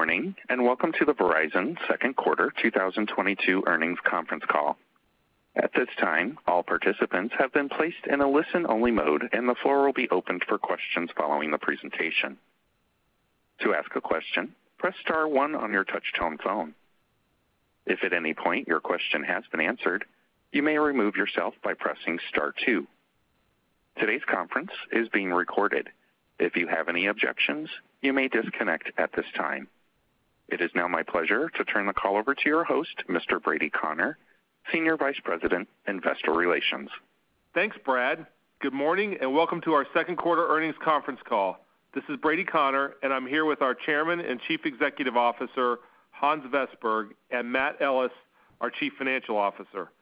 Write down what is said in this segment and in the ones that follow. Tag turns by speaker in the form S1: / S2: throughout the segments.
S1: Good morning, and welcome to the Verizon second quarter 2022 earnings conference call. At this time, all participants have been placed in a listen-only mode, and the floor will be opened for questions following the presentation. To ask a question, press star one on your touch-tone phone. If at any point your question has been answered, you may remove yourself by pressing star two. Today's conference is being recorded. If you have any objections, you may disconnect at this time. It is now my pleasure to turn the call over to your host, Mr. Brady Connor, Senior Vice President, Investor Relations.
S2: Thanks, Brady. Good morning, and welcome to our second-quarter earnings conference call. This is Brady Connor, and I'm here with our Chairman and Chief Executive Officer, Hans Vestberg, and Matthew Ellis, our Chief Financial Officer.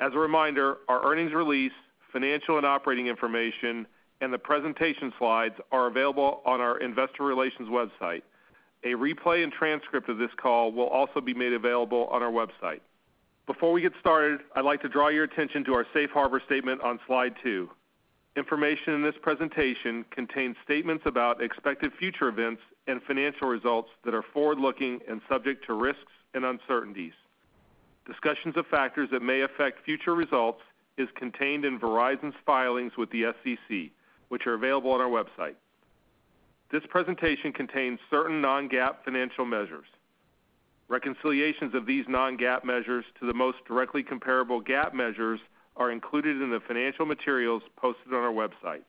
S2: As a reminder, our earnings release, financial and operating information, and the presentation slides are available on our investor relations website. A replay and transcript of this call will also be made available on our website. Before we get started, I'd like to draw your attention to our safe harbor statement on slide two. Information in this presentation contains statements about expected future events and financial results that are forward-looking and subject to risks and uncertainties. Discussions of factors that may affect future results is contained in Verizon's filings with the SEC, which are available on our website. This presentation contains certain non-GAAP financial measures. Reconciliations of these non-GAAP measures to the most directly comparable GAAP measures are included in the financial materials posted on our website.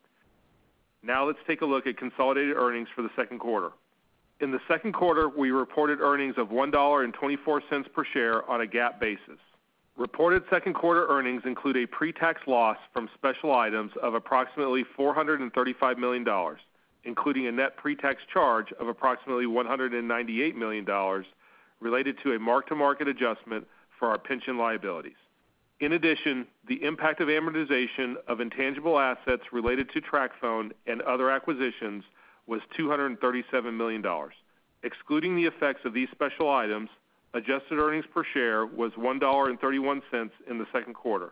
S2: Now let's take a look at consolidated earnings for the second quarter. In the second quarter, we reported earnings of $1.24 per share on a GAAP basis. Reported second-quarter earnings include a pre-tax loss from special items of approximately $435 million, including a net pre-tax charge of approximately $198 million related to a mark-to-market adjustment for our pension liabilities. In addition, the impact of amortization of intangible assets related to TracFone and other acquisitions was $237 million. Excluding the effects of these special items, adjusted earnings per share was $1.31 in the second quarter.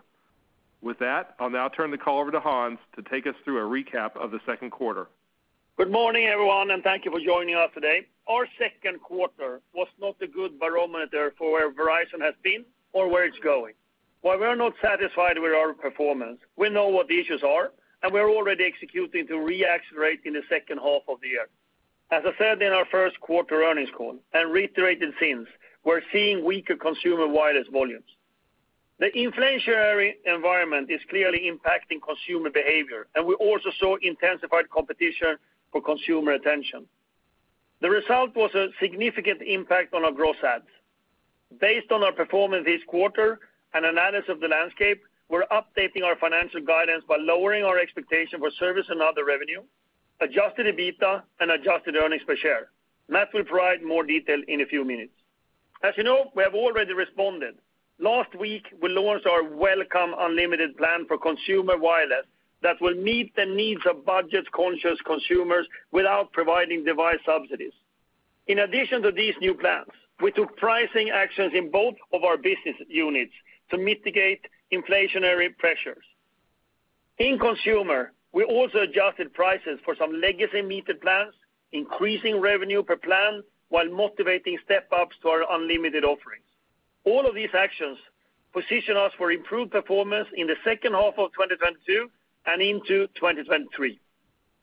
S2: With that, I'll now turn the call over to Hans to take us through a recap of the second quarter.
S3: Good morning, everyone, and thank you for joining us today. Our second quarter was not a good barometer for where Verizon has been or where it's going. While we are not satisfied with our performance, we know what the issues are, and we're already executing to re-accelerate in the second half of the year. As I said in our first quarter earnings call and reiterated since, we're seeing weaker consumer wireless volumes. The inflationary environment is clearly impacting consumer behavior, and we also saw intensified competition for consumer attention. The result was a significant impact on our gross adds. Based on our performance this quarter and analysis of the landscape, we're updating our financial guidance by lowering our expectation for service and other revenue, adjusted EBITDA, and adjusted earnings per share. Matthew will provide more detail in a few minutes. As you know, we have already responded. Last week, we launched our Welcome Unlimited plan for consumer wireless that will meet the needs of budget-conscious consumers without providing device subsidies. In addition to these new plans, we took pricing actions in both of our business units to mitigate inflationary pressures. In consumer, we also adjusted prices for some legacy metered plans, increasing revenue per plan while motivating step-ups to our unlimited offerings. All of these actions position us for improved performance in the second half of 2022 and into 2023.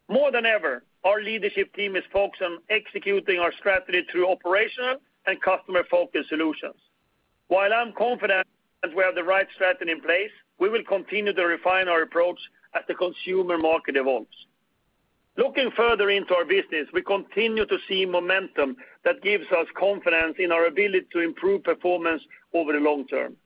S3: More than ever, our leadership team is focused on executing our strategy through operational and customer-focused solutions. While I'm confident that we have the right strategy in place, we will continue to refine our approach as the consumer market evolves. Looking further into our business, we continue to see momentum that gives us confidence in our ability to improve performance over the long term.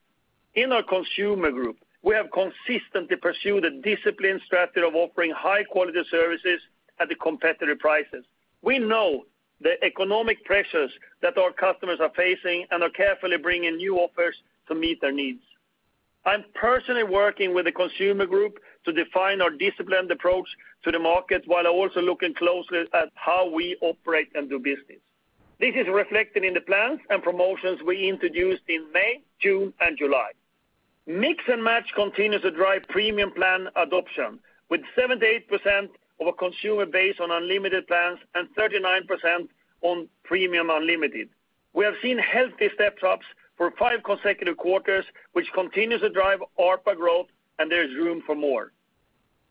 S3: In our consumer group, we have consistently pursued a disciplined strategy of offering high-quality services at the competitive prices. We know the economic pressures that our customers are facing and are carefully bringing new offers to meet their needs. I'm personally working with the consumer group to define our disciplined approach to the market while also looking closely at how we operate and do business. This is reflected in the plans and promotions we introduced in May, June, and July. Mix and Match continues to drive premium plan adoption, with 78% of a consumer base on unlimited plans and 39% on Premium Unlimited. We have seen healthy step-ups for five consecutive quarters, which continues to drive ARPA growth, and there is room for more.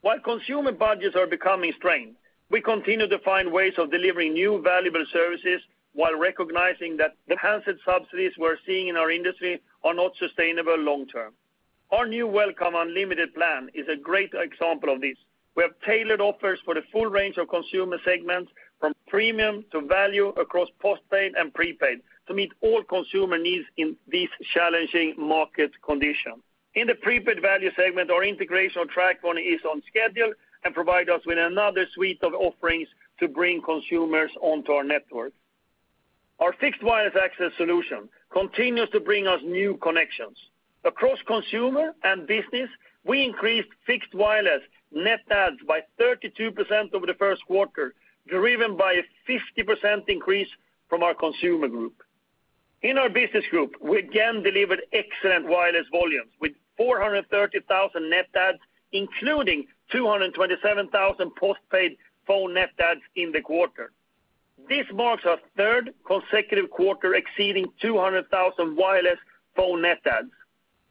S3: While consumer budgets are becoming strained, we continue to find ways of delivering new valuable services while recognizing that the handset subsidies we're seeing in our industry are not sustainable long term. Our new Welcome Unlimited plan is a great example of this. We have tailored offers for the full range of consumer segments from premium to value across postpaid and prepaid to meet all consumer needs in these challenging market conditions. In the prepaid value segment, our integration of TracFone is on schedule and provide us with another suite of offerings to bring consumers onto our network. Our fixed wireless access solution continues to bring us new connections. Across consumer and business, we increased fixed wireless net adds by 32% over the first quarter, driven by a 50% increase from our consumer group. In our business group, we again delivered excellent wireless volumes with 430,000 net adds, including 227,000 postpaid phone net adds in the quarter. This marks our third consecutive quarter exceeding 200,000 wireless phone net adds.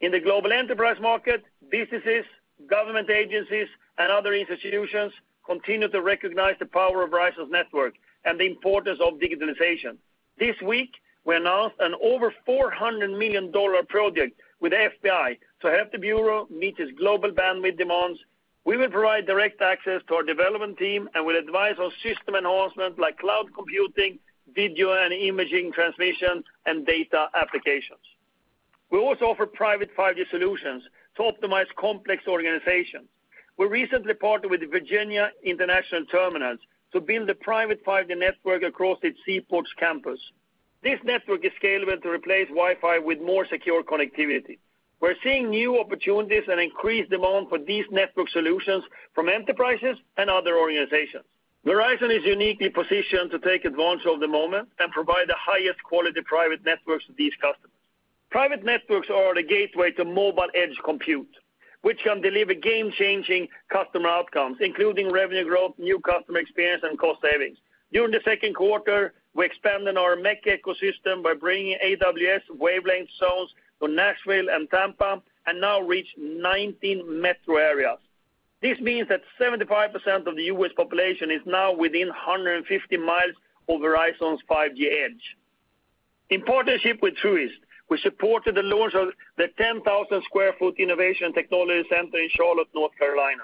S3: In the global enterprise market, businesses, government agencies, and other institutions continue to recognize the power of Verizon's network and the importance of digitalization. This week, we announced an over $400 million project with FBI to help the bureau meet its global bandwidth demands. We will provide direct access to our development team and will advise on system enhancements like cloud computing, video and imaging transmission, and data applications. We also offer private 5G solutions to optimize complex organizations. We recently partnered with Virginia International Terminals to build a private 5G network across its seaports campus. This network is scalable to replace Wi-Fi with more secure connectivity. We're seeing new opportunities and increased demand for these network solutions from enterprises and other organizations. Verizon is uniquely positioned to take advantage of the moment and provide the highest quality private networks to these customers. Private networks are the gateway to mobile edge computing, which can deliver game-changing customer outcomes, including revenue growth, new customer experience, and cost savings. During the second quarter, we expanded our MEC ecosystem by bringing AWS Wavelength Zones to Nashville and Tampa, and now reach 19 metro areas. This means that 75% of the U.S. population is now within 150 miles of Verizon's 5G edge. In partnership with Truist, we supported the launch of the 10,000 sq ft Innovation Technology Center in Charlotte, North Carolina.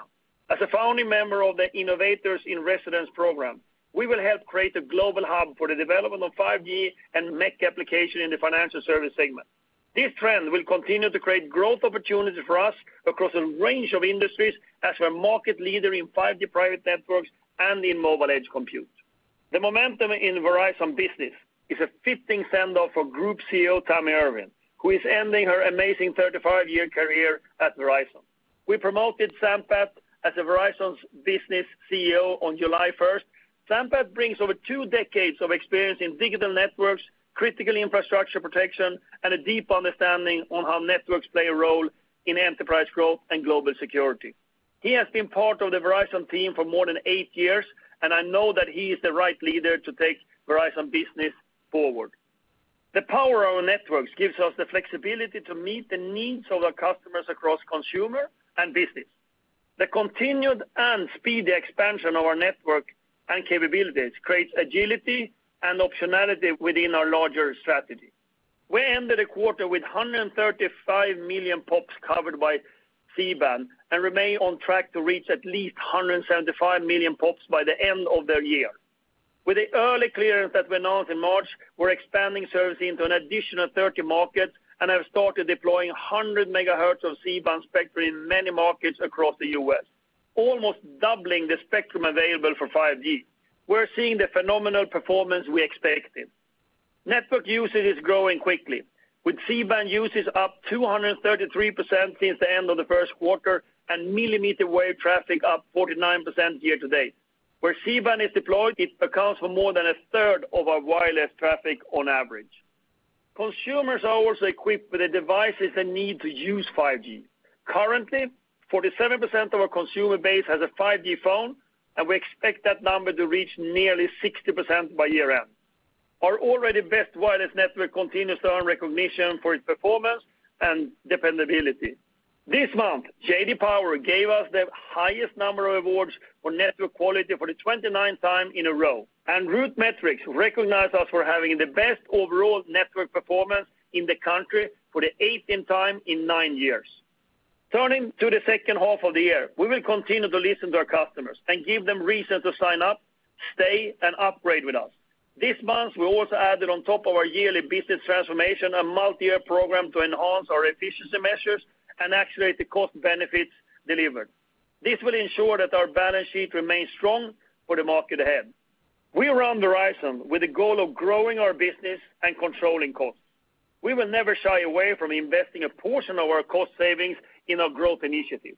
S3: As a founding member of the Innovators in Residence program, we will help create a global hub for the development of 5G and MEC application in the financial service segment. This trend will continue to create growth opportunities for us across a range of industries as we're a market leader in 5G private networks and in mobile edge compute. The momentum in Verizon Business is a fitting send-off for Group CEO Tami Erwin, who is ending her amazing 35-year career at Verizon. We promoted Sampath as Verizon Business CEO on July 1. Sampath brings over two decades of experience in digital networks, critical infrastructure protection, and a deep understanding on how networks play a role in enterprise growth and global security. He has been part of the Verizon team for more than 8 years, and I know that he is the right leader to take Verizon Business forward. The power of our networks gives us the flexibility to meet the needs of our customers across consumer and business. The continued and speedy expansion of our network and capabilities creates agility and optionality within our larger strategy. We ended the quarter with 135 million POPs covered by C-band and remain on track to reach at least 175 million POPs by the end of the year. With the early clearance that we announced in March, we're expanding services into an additional 30 markets and have started deploying 100 megahertz of C-band spectrum in many markets across the U.S., almost doubling the spectrum available for 5G. We're seeing the phenomenal performance we expected. Network usage is growing quickly, with C-band usage up 233% since the end of the first quarter, and millimeter wave traffic up 49% year to date. Where C-band is deployed, it accounts for more than a third of our wireless traffic on average. Consumers are also equipped with the devices they need to use 5G. Currently, 47% of our consumer base has a 5G phone, and we expect that number to reach nearly 60% by year-end. Our already best wireless network continues to earn recognition for its performance and dependability. This month, J.D. Power gave us the highest number of awards for network quality for the 29th time in a row, and RootMetrics recognized us for having the best overall network performance in the country for the 8th time in 9 years. Turning to the second half of the year, we will continue to listen to our customers and give them reasons to sign up, stay, and upgrade with us. This month, we also added on top of our yearly business transformation, a multi-year program to enhance our efficiency measures and accelerate the cost benefits delivered. This will ensure that our balance sheet remains strong for the market ahead. We run Verizon with the goal of growing our business and controlling costs. We will never shy away from investing a portion of our cost savings in our growth initiatives.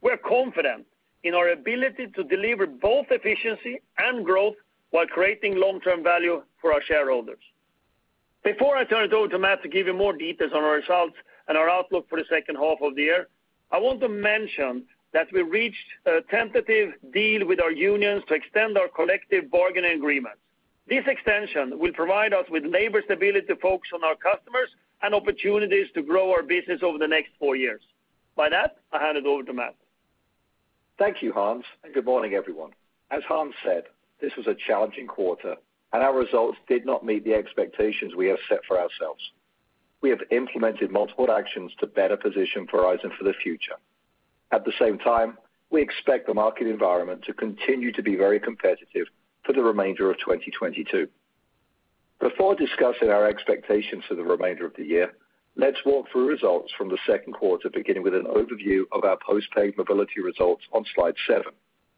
S3: We're confident in our ability to deliver both efficiency and growth while creating long-term value for our shareholders. Before I turn it over to Matthew to give you more details on our results and our outlook for the second half of the year, I want to mention that we reached a tentative deal with our unions to extend our collective bargaining agreements. This extension will provide us with labor stability to focus on our customers and opportunities to grow our business over the next four years. With that, I hand it over to Matthew.
S4: Thank you, Hans, and good morning, everyone. As Hans said, this was a challenging quarter and our results did not meet the expectations we have set for ourselves. We have implemented multiple actions to better position Verizon for the future. At the same time, we expect the market environment to continue to be very competitive for the remainder of 2022. Before discussing our expectations for the remainder of the year, let's walk through results from the second quarter, beginning with an overview of our postpaid mobility results on slide 7.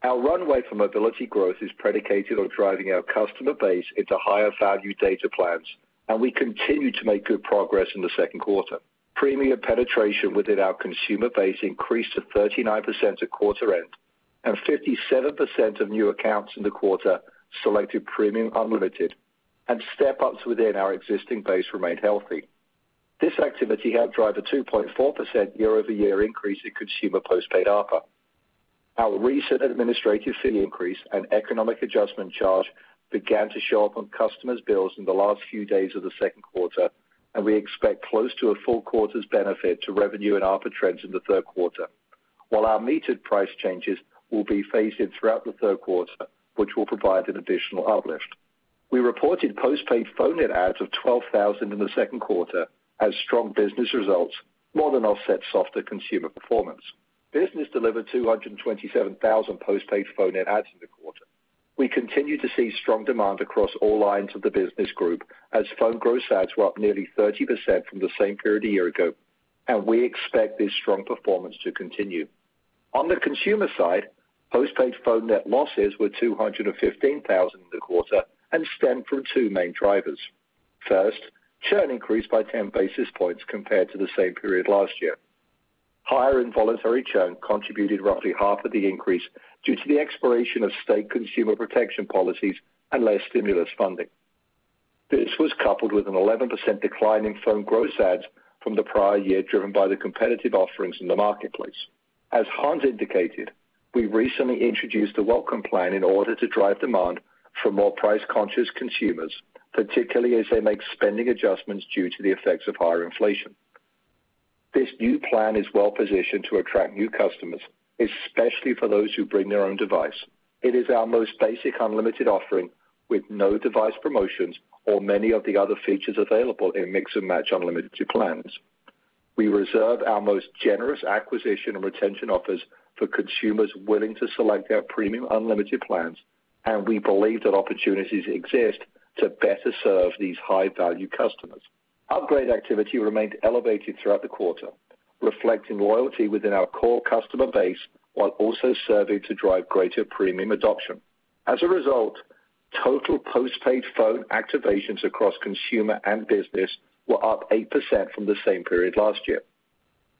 S4: Our runway for mobility growth is predicated on driving our customer base into higher value data plans, and we continue to make good progress in the second quarter. Premium penetration within our consumer base increased to 39% at quarter end. 57% of new accounts in the quarter selected Premium Unlimited and step-ups within our existing base remained healthy. This activity helped drive a 2.4% year-over-year increase in consumer postpaid ARPA. Our recent administrative fee increase and economic adjustment charge began to show up on customers' bills in the last few days of the second quarter, and we expect close to a full quarter's benefit to revenue and ARPA trends in the third quarter, while our metered price changes will be phased in throughout the third quarter, which will provide an additional uplift. We reported postpaid phone net adds of 12,000 in the second quarter as strong business results more than offset softer consumer performance. Business delivered 227,000 postpaid phone net adds in the quarter. We continue to see strong demand across all lines of the business group as phone gross adds were up nearly 30% from the same period a year ago, and we expect this strong performance to continue. On the consumer side, postpaid phone net losses were 215,000 in the quarter and stemmed from two main drivers. First, churn increased by 10 basis points compared to the same period last year. Higher involuntary churn contributed roughly half of the increase due to the expiration of state consumer protection policies and less stimulus funding. This was coupled with an 11% decline in phone gross adds from the prior year, driven by the competitive offerings in the marketplace. As Hans indicated, we recently introduced the Welcome plan in order to drive demand for more price-conscious consumers, particularly as they make spending adjustments due to the effects of higher inflation. This new plan is well-positioned to attract new customers, especially for those who bring their own device. It is our most basic unlimited offering with no device promotions or many of the other features available in Mix and Match Unlimited plans. We reserve our most generous acquisition and retention offers for consumers willing to select our Premium Unlimited plans, and we believe that opportunities exist to better serve these high-value customers. Upgrade activity remained elevated throughout the quarter, reflecting loyalty within our core customer base, while also serving to drive greater premium adoption. As a result, total postpaid phone activations across consumer and business were up 8% from the same period last year.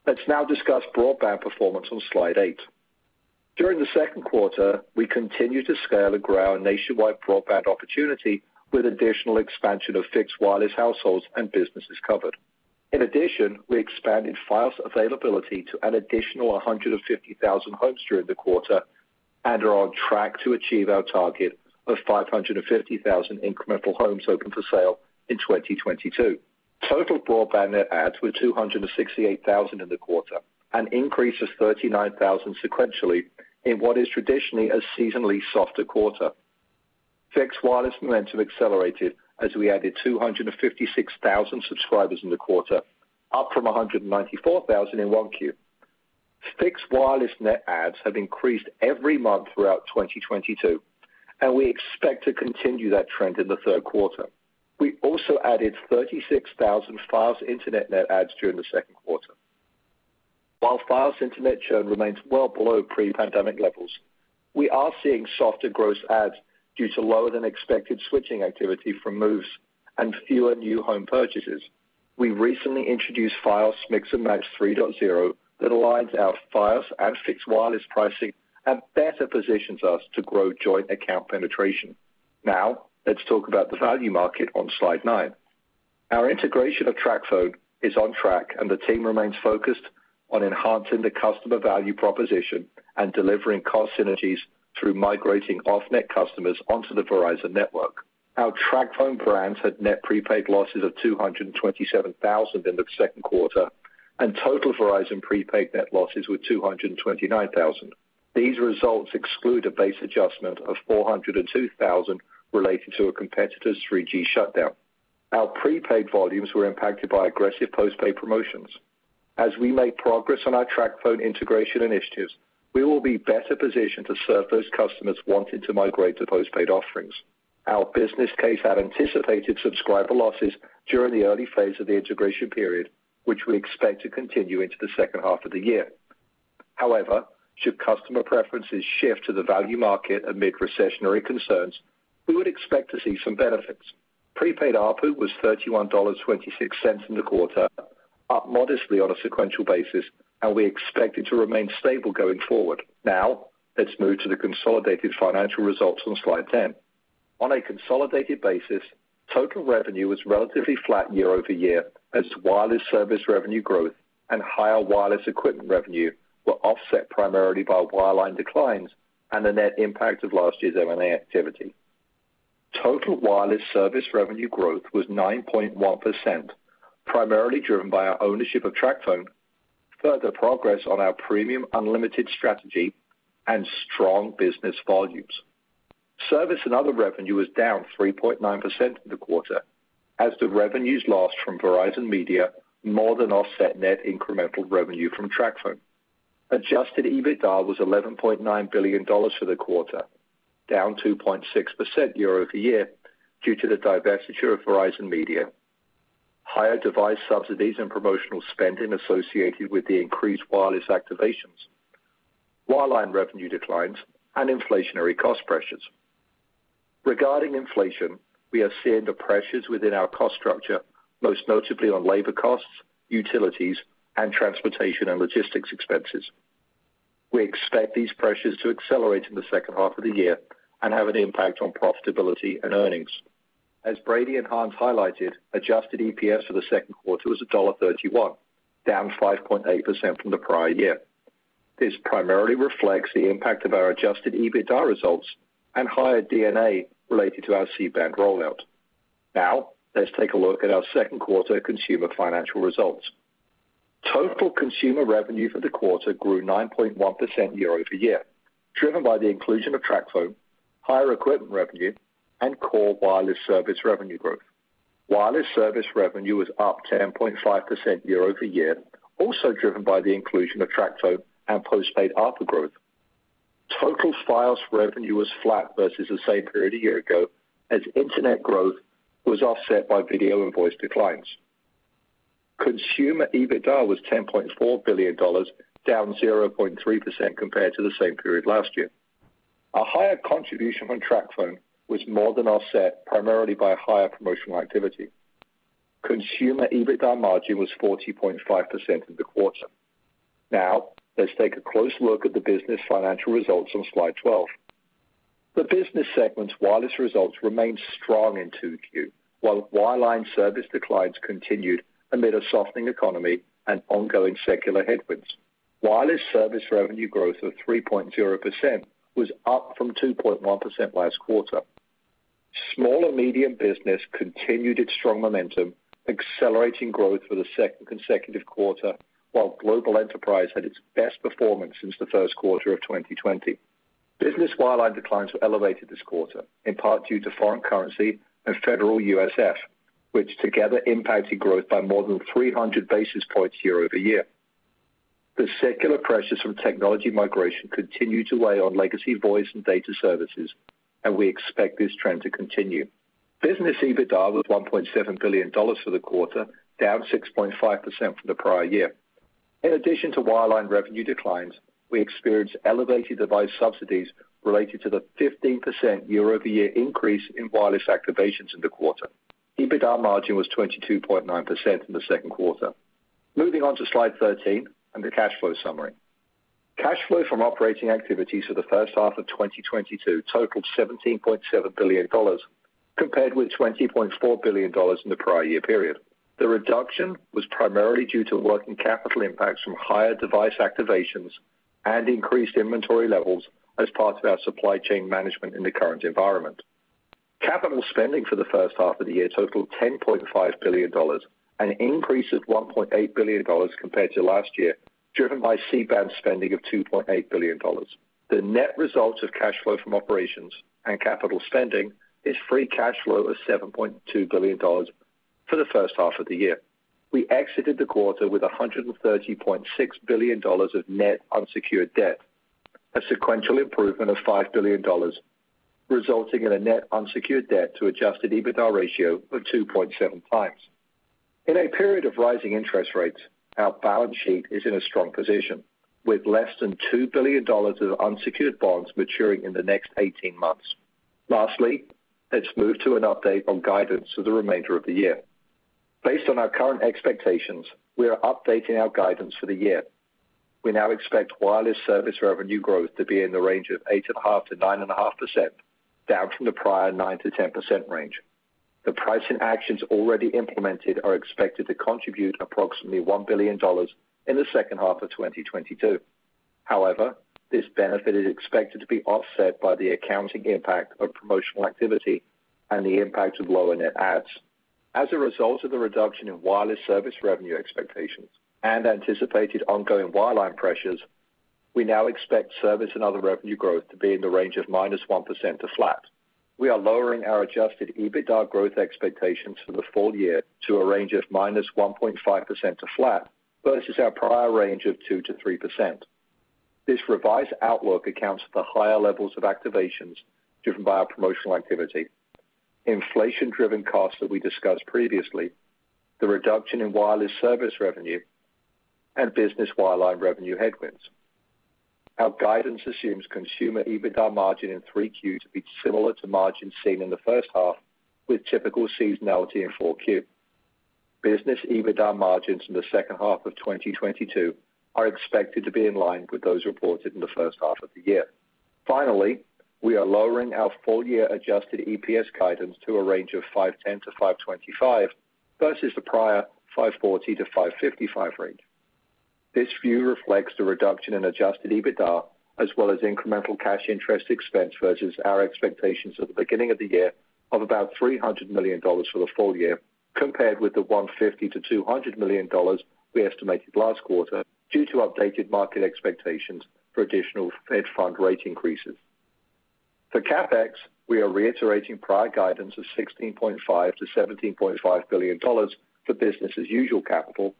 S4: Let's now discuss broadband performance on slide eight. During the second quarter, we continued to scale and grow our nationwide broadband opportunity with additional expansion of fixed wireless households and businesses covered. In addition, we expanded Fios availability to an additional 150,000 homes during the quarter and are on track to achieve our target of 550,000 incremental homes open for sale in 2022. Total broadband net adds were 268,000 in the quarter, an increase of 39,000 sequentially in what is traditionally a seasonally softer quarter. Fixed wireless momentum accelerated as we added 256,000 subscribers in the quarter, up from 194,000 in 1Q. Fixed wireless net adds have increased every month throughout 2022, and we expect to continue that trend in the third quarter. We also added 36,000 Fios Internet net adds during the second quarter. While Fios Internet churn remains well below pre-pandemic levels, we are seeing softer gross adds due to lower than expected switching activity from moves and fewer new home purchases. We recently introduced Fios Mix & Match 3.0 that aligns our Fios and fixed wireless pricing and better positions us to grow joint account penetration. Now let's talk about the value market on slide nine. Our integration of TracFone is on track, and the team remains focused on enhancing the customer value proposition and delivering cost synergies through migrating off-net customers onto the Verizon network. Our TracFone brands had net prepaid losses of 227,000 in the second quarter, and total Verizon prepaid net losses were 229,000. These results exclude a base adjustment of 402,000 related to a competitor's 3G shutdown. Our prepaid volumes were impacted by aggressive postpaid promotions. As we make progress on our TracFone integration initiatives, we will be better positioned to serve those customers wanting to migrate to postpaid offerings. Our business case had anticipated subscriber losses during the early phase of the integration period, which we expect to continue into the second half of the year. However, should customer preferences shift to the value market amid recessionary concerns, we would expect to see some benefits. Prepaid ARPU was $31.26 in the quarter, up modestly on a sequential basis, and we expect it to remain stable going forward. Now, let's move to the consolidated financial results on slide 10. On a consolidated basis, total revenue was relatively flat year over year as wireless service revenue growth and higher wireless equipment revenue were offset primarily by wireline declines and the net impact of last year's M&A activity. Total wireless service revenue growth was 9.1%, primarily driven by our ownership of TracFone, further progress on our Premium Unlimited strategy, and strong business volumes. Service and other revenue was down 3.9% in the quarter as the revenues lost from Verizon Media more than offset net incremental revenue from TracFone. Adjusted EBITDA was $11.9 billion for the quarter, down 2.6% year-over-year due to the divestiture of Verizon Media, higher device subsidies and promotional spending associated with the increased wireless activations, wireline revenue declines, and inflationary cost pressures. Regarding inflation, we are seeing the pressures within our cost structure, most notably on labor costs, utilities, and transportation and logistics expenses. We expect these pressures to accelerate in the second half of the year and have an impact on profitability and earnings. As Brady and Hans highlighted, adjusted EPS for the second quarter was $1.31, down 5.8% from the prior year. This primarily reflects the impact of our adjusted EBITDA results and higher D&A related to our C-band rollout. Now let's take a look at our second quarter consumer financial results. Total consumer revenue for the quarter grew 9.1% year-over-year, driven by the inclusion of TracFone, higher equipment revenue, and core wireless service revenue growth. Wireless service revenue was up 10.5% year-over-year, also driven by the inclusion of TracFone and postpaid ARPU growth. Total Fios revenue was flat versus the same period a year ago as internet growth was offset by video and voice declines. Consumer EBITDA was $10.4 billion, down 0.3% compared to the same period last year. A higher contribution from TracFone was more than offset primarily by higher promotional activity. Consumer EBITDA margin was 40.5% in the quarter. Now let's take a close look at the business financial results on slide 12. The business segment's wireless results remained strong in 2Q, while wireline service declines continued amid a softening economy and ongoing secular headwinds. Wireless service revenue growth of 3.0% was up from 2.1% last quarter. Small and medium business continued its strong momentum, accelerating growth for the second consecutive quarter, while global enterprise had its best performance since the first quarter of 2020. Business wireline declines were elevated this quarter, in part due to foreign currency and federal USF, which together impacted growth by more than 300 basis points year-over-year. The secular pressures from technology migration continue to weigh on legacy voice and data services, and we expect this trend to continue. Business EBITDA was $1.7 billion for the quarter, down 6.5% from the prior year. In addition to wireline revenue declines, we experienced elevated device subsidies related to the 15% year-over-year increase in wireless activations in the quarter. EBITDA margin was 22.9% in the second quarter. Moving on to slide 13 and the cash flow summary. Cash flow from operating activities for the first half of 2022 totaled $17.7 billion compared with $20.4 billion in the prior year period. The reduction was primarily due to working capital impacts from higher device activations and increased inventory levels as part of our supply chain management in the current environment. Capital spending for the first half of the year totaled $10.5 billion, an increase of $1.8 billion compared to last year, driven by C-band spending of $2.8 billion. The net results of cash flow from operations and capital spending is free cash flow of $7.2 billion for the first half of the year. We exited the quarter with $130.6 billion of net unsecured debt, a sequential improvement of $5 billion, resulting in a net unsecured debt to adjusted EBITDA ratio of 2.7 times. In a period of rising interest rates, our balance sheet is in a strong position, with less than $2 billion of unsecured bonds maturing in the next 18 months. Lastly, let's move to an update on guidance for the remainder of the year. Based on our current expectations, we are updating our guidance for the year. We now expect wireless service revenue growth to be in the range of 8.5%-9.5%, down from the prior 9%-10% range. The pricing actions already implemented are expected to contribute approximately $1 billion in the second half of 2022. However, this benefit is expected to be offset by the accounting impact of promotional activity and the impact of lower net adds. As a result of the reduction in wireless service revenue expectations and anticipated ongoing wireline pressures, we now expect service and other revenue growth to be in the range of -1% to flat. We are lowering our adjusted EBITDA growth expectations for the full year to a range of -1.5% to flat versus our prior range of 2%-3%. This revised outlook accounts for higher levels of activations driven by our promotional activity, inflation-driven costs that we discussed previously, the reduction in wireless service revenue, and business wireline revenue headwinds. Our guidance assumes consumer EBITDA margin in Q3 to be similar to margins seen in the first half with typical seasonality in Q4. Business EBITDA margins in the second half of 2022 are expected to be in line with those reported in the first half of the year. Finally, we are lowering our full year adjusted EPS guidance to a range of $5.10-$5.25 versus the prior $5.40-$5.55 range. This view reflects the reduction in adjusted EBITDA as well as incremental cash interest expense versus our expectations at the beginning of the year of about $300 million for the full year compared with the $150-$200 million we estimated last quarter due to updated market expectations for additional Federal Funds rate increases. For CapEx, we are reiterating prior guidance of $16.5-$17.5 billion for business as usual capital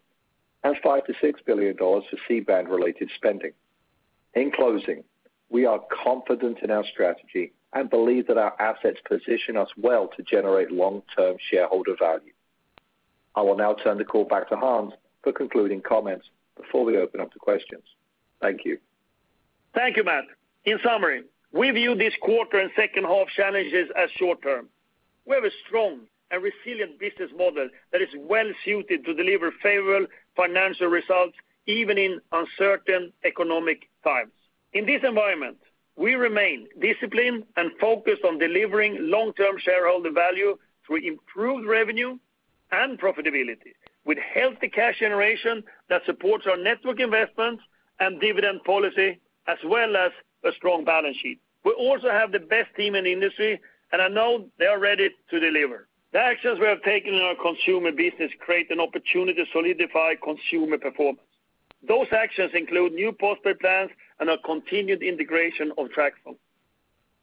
S4: and $5-$6 billion for C-band related spending. In closing, we are confident in our strategy and believe that our assets position us well to generate long-term shareholder value. I will now turn the call back to Hans for concluding comments before we open up to questions. Thank you.
S3: Thank you, Matthew. In summary, we view this quarter and second half challenges as short-term. We have a strong and resilient business model that is well suited to deliver favorable financial results, even in uncertain economic times. In this environment, we remain disciplined and focused on delivering long-term shareholder value through improved revenue and profitability with healthy cash generation that supports our network investments and dividend policy, as well as a strong balance sheet. We also have the best team in the industry, and I know they are ready to deliver. The actions we have taken in our consumer business create an opportunity to solidify consumer performance. Those actions include new postpaid plans and a continued integration of TracFone.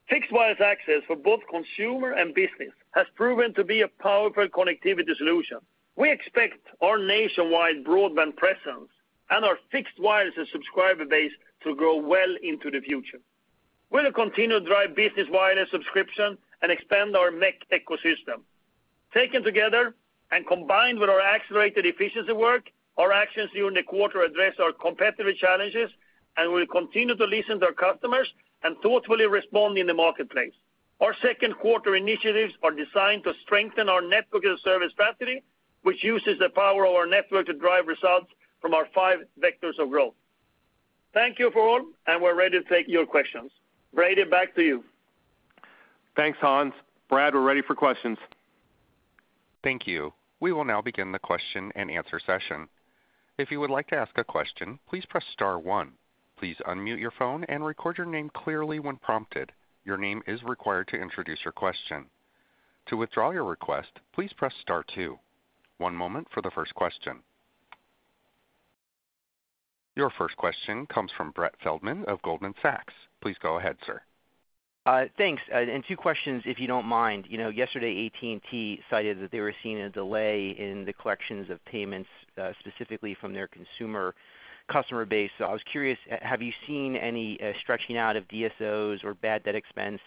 S3: Fixed wireless access for both consumer and business has proven to be a powerful connectivity solution. We expect our nationwide broadband presence and our fixed wireless subscriber base to grow well into the future. We'll continue to drive business wireless subscription and expand our MEC ecosystem. Taken together and combined with our accelerated efficiency work, our actions during the quarter address our competitive challenges, and we'll continue to listen to our customers and thoughtfully respond in the marketplace. Our second quarter initiatives are designed to strengthen our network as a service strategy, which uses the power of our network to drive results from our five vectors of growth. Thank you all, and we're ready to take your questions. Brady, back to you.
S4: Thanks, Hans. Brady, we're ready for questions.
S1: Thank you. We will now begin the question-and-answer session. If you would like to ask a question, please press star one. Please unmute your phone and record your name clearly when prompted. Your name is required to introduce your question. To withdraw your request, please press star two. One moment for the first question. Your first question comes from Brett Feldman of Goldman Sachs. Please go ahead, sir.
S5: Thanks. Two questions, if you don't mind. You know, yesterday AT&T cited that they were seeing a delay in the collections of payments, specifically from their consumer customer base. I was curious, have you seen any stretching out of DSOs or bad debt expense?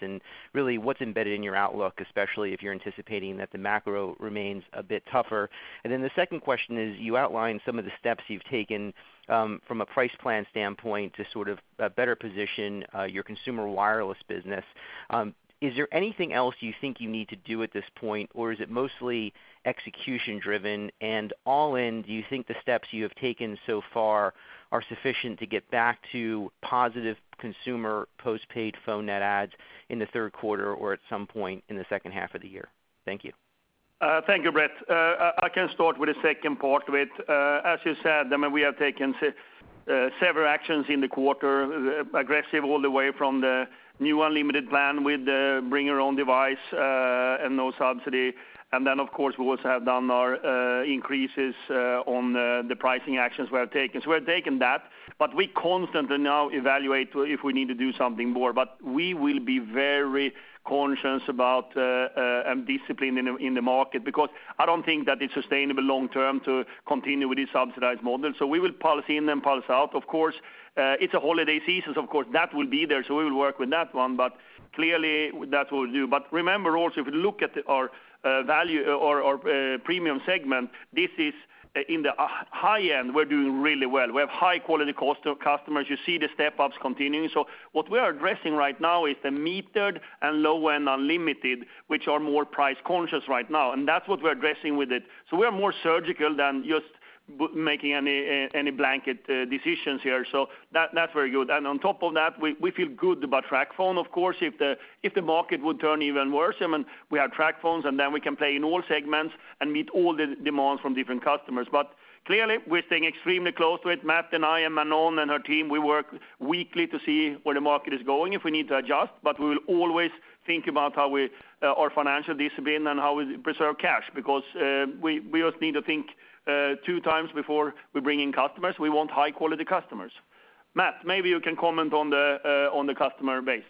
S5: Really what's embedded in your outlook, especially if you're anticipating that the macro remains a bit tougher. The second question is, you outlined some of the steps you've taken, from a price plan standpoint to sort of better position your consumer wireless business. Is there anything else you think you need to do at this point, or is it mostly execution driven? All in, do you think the steps you have taken so far are sufficient to get back to positive consumer postpaid phone net adds in the third quarter or at some point in the second half of the year? Thank you.
S3: Thank you, Brett. I can start with the second part, as you said, I mean, we have taken several actions in the quarter, aggressive all the way from the new unlimited plan with the bring your own device, and no subsidy. Then, of course, we also have done our increases on the pricing actions we have taken. We have taken that, but we constantly now evaluate if we need to do something more. We will be very conscious about discipline in the market because I don't think that it's sustainable long term to continue with this subsidized model. We will policy in and policy out. It's a holiday season, of course that will be there, so we will work with that one. Clearly that will do. Remember also, if you look at our value or premium segment, this is in the high end, we're doing really well. We have high-quality cohort of customers. You see the step-ups continuing. What we are addressing right now is the metered and low-end unlimited, which are more price-conscious right now, and that's what we're addressing with it. We are more surgical than just making any blanket decisions here. That's very good. On top of that, we feel good about TracFone. Of course, if the market would turn even worse, I mean, we have TracFones, and then we can play in all segments and meet all the demands from different customers. Clearly we're staying extremely close with Matthew and I and Manon and her team. We work weekly to see where the market is going, if we need to adjust, but we will always think about how we our financial discipline and how we preserve cash, because we just need to think two times before we bring in customers. We want high quality customers. Matthew, maybe you can comment on the on the customer base.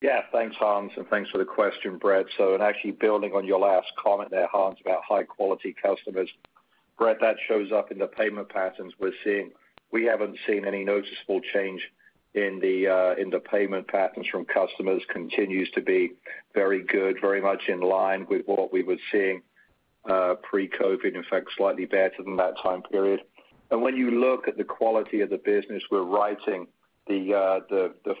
S4: Yeah. Thanks, Hans, and thanks for the question, Brett. Actually building on your last comment there, Hans, about high-quality customers, Brett, that shows up in the payment patterns we're seeing. We haven't seen any noticeable change in the payment patterns from customers. Continues to be very good, very much in line with what we were seeing pre-COVID. In fact, slightly better than that time period. When you look at the quality of the business we're writing, the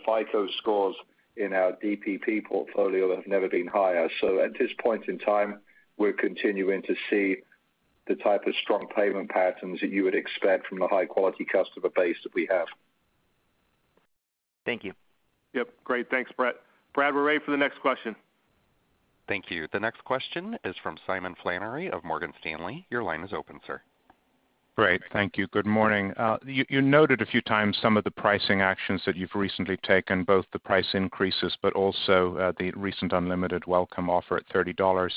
S4: FICO scores in our DPP portfolio have never been higher. At this point in time, we're continuing to see the type of strong payment patterns that you would expect from the high-quality customer base that we have.
S5: Thank you.
S4: Yep. Great. Thanks, Brett. Brady, we're ready for the next question.
S1: Thank you. The next question is from Simon Flannery of Morgan Stanley. Your line is open, sir.
S6: Great. Thank you. Good morning. You noted a few times some of the pricing actions that you've recently taken, both the price increases but also the recent Welcome Unlimited offer at $30.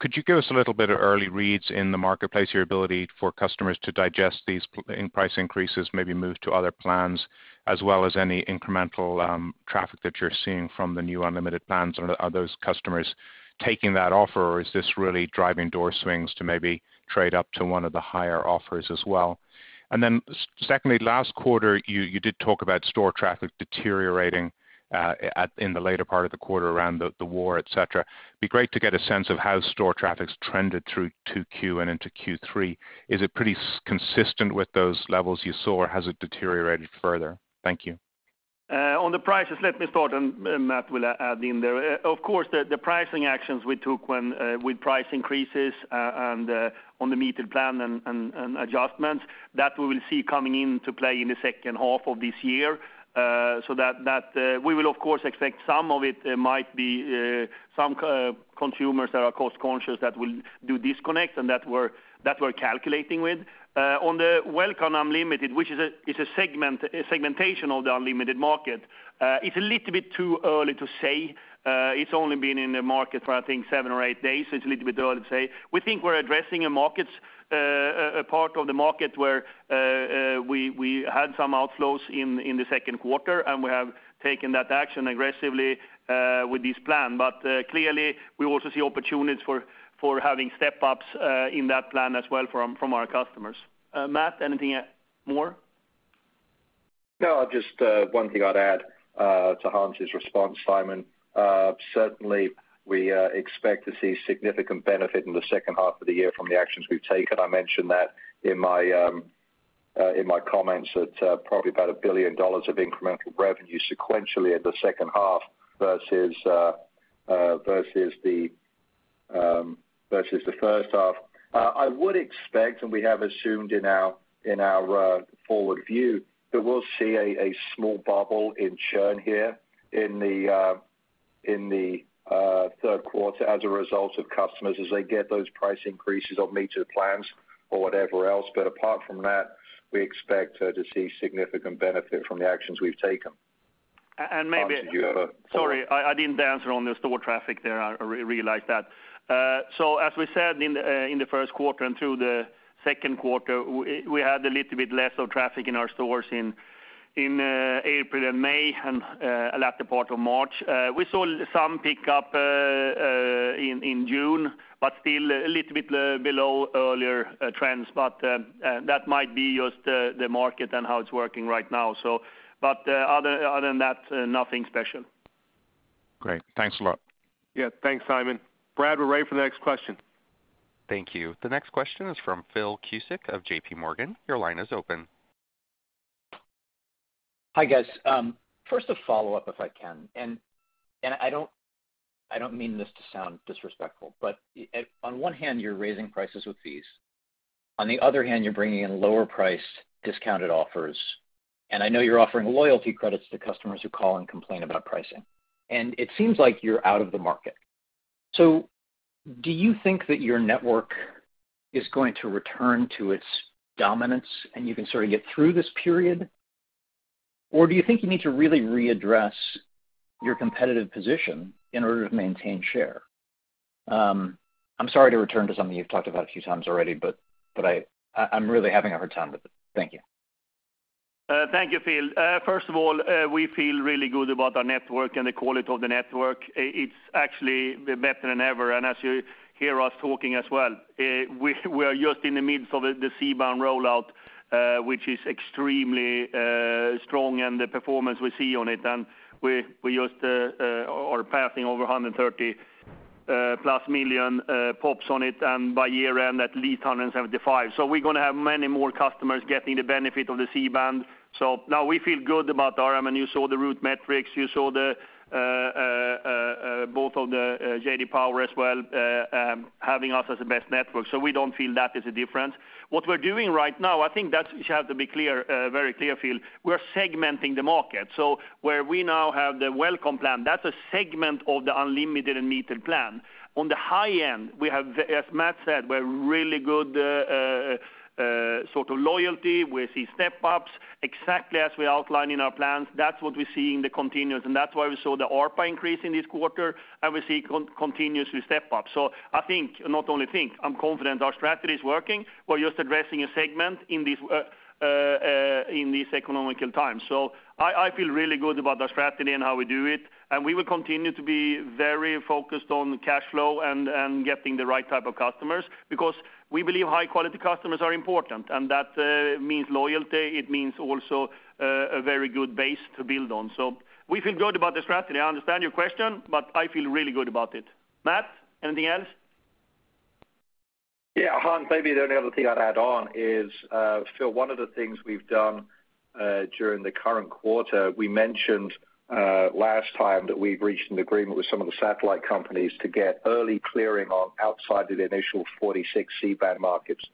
S6: Could you give us a little bit of early reads in the marketplace, your ability for customers to digest these price increases, maybe move to other plans, as well as any incremental traffic that you're seeing from the new unlimited plans? Are those customers taking that offer, or is this really driving door swings to maybe trade up to one of the higher offers as well? Secondly, last quarter, you did talk about store traffic deteriorating in the later part of the quarter around the war, et cetera. It'd be great to get a sense of how store traffic's trended through to Q2 and into Q3. Is it pretty consistent with those levels you saw or has it deteriorated further? Thank you.
S3: On the prices, let me start and Matthew will add in there. Of course, the pricing actions we took with price increases and on the metered plan and adjustments that we will see coming into play in the second half of this year. We will of course expect some of it might be some consumers that are cost conscious that will do disconnect and that we're calculating with. On the Welcome Unlimited, which is a segmentation of the unlimited market, it's a little bit too early to say. It's only been in the market for, I think, seven or eight days, so it's a little bit early to say. We think we're addressing a part of the market where we had some outflows in the second quarter, and we have taken that action aggressively with this plan. Clearly, we also see opportunities for having step-ups in that plan as well from our customers. Matthew, anything more?
S4: No, just one thing I'd add to Hans' response, Simon. Certainly, we expect to see significant benefit in the second half of the year from the actions we've taken. I mentioned that in my comments that probably about $1 billion of incremental revenue sequentially in the second half versus the first half. I would expect, and we have assumed in our forward view, that we'll see a small bubble in churn here in the third quarter as a result of customers as they get those price increases of metered plans or whatever else. Apart from that, we expect to see significant benefit from the actions we've taken.
S3: A-and maybe-
S4: Hans, did you have a follow-up?
S3: Sorry, I didn't answer on the store traffic there. I really like that. So as we said in the first quarter and through the second quarter, we had a little bit less of traffic in our stores in April and May and a latter part of March. We saw some pick up in June, but still a little bit below earlier trends. That might be just the market and how it's working right now. Other than that, nothing special.
S7: Great. Thanks a lot.
S4: Yeah, thanks, Simon. Brady, we're ready for the next question.
S1: Thank you. The next question is from Philip Cusick of JPMorgan. Your line is open.
S8: Hi, guys. First a follow-up, if I can, and I don't mean this to sound disrespectful, but on one hand, you're raising prices with fees. On the other hand, you're bringing in lower priced discounted offers. I know you're offering loyalty credits to customers who call and complain about pricing. It seems like you're out of the market. Do you think that your network is going to return to its dominance and you can sort of get through this period? Or do you think you need to really readdress your competitive position in order to maintain share? I'm sorry to return to something you've talked about a few times already, but I'm really having a hard time with it. Thank you.
S3: Thank you, Philip. First of all, we feel really good about our network and the quality of the network. It's actually better than ever. As you hear us talking as well, we are just in the midst of the C-band rollout, which is extremely strong and the performance we see on it. We just are passing over 130+ million pops on it, and by year-end, at least 175. We're gonna have many more customers getting the benefit of the C-band. Now we feel good about our AMENU, so the RootMetrics, you saw the both of the J.D. Power as well, having us as the best network. We don't feel that is a difference. What we're doing right now, I think we have to be clear, very clear, Phil. We're segmenting the market. Where we now have the Welcome plan, that's a segment of the unlimited and metered plan. On the high end, we have, as Matthew said, we're really good sort of loyalty. We see step-ups exactly as we outlined in our plans. That's what we see in the consumer, and that's why we saw the ARPA increase in this quarter, and we see consumer step-up. I think I'm confident our strategy is working. We're just addressing a segment in this, in these economic times. I feel really good about our strategy and how we do it, and we will continue to be very focused on cash flow and getting the right type of customers because we believe high-quality customers are important, and that means loyalty. It means also a very good base to build on. We feel good about the strategy. I understand your question, but I feel really good about it. Matthew, anything else?
S4: Yeah. Hans, maybe the only other thing I'd add on is, Phil, one of the things we've done during the current quarter. We mentioned last time that we've reached an agreement with some of the satellite companies to get early clearing on outside of the initial 46 C-band markets.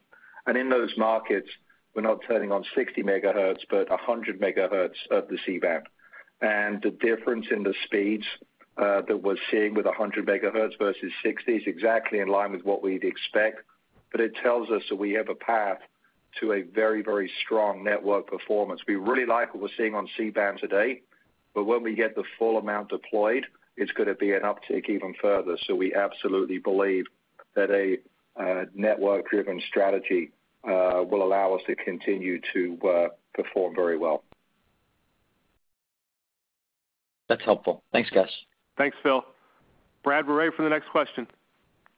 S4: In those markets, we're not turning on 60 MHz, but 100 MHz of the C-band. The difference in the speeds that we're seeing with 100 MHz versus 60 is exactly in line with what we'd expect. It tells us that we have a path to a very, very strong network performance. We really like what we're seeing on C-band today, but when we get the full amount deployed, it's gonna be an uptick even further. We absolutely believe that a network-driven strategy will allow us to continue to perform very well.
S8: That's helpful. Thanks, guys.
S4: Thanks, Phil. Brady, we're ready for the next question.